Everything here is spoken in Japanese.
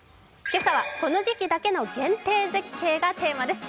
今朝は、この時期だけの限定絶景がテーマです。